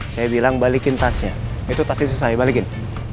saya bilang balikin tasnya itu tasnya selesai balikin